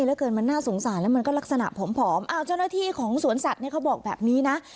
เหลือเกินมันน่าสงสารแล้วมันก็ลักษณะผอมอ้าวเจ้าหน้าที่ของสวนสัตว์เนี่ยเขาบอกแบบนี้นะ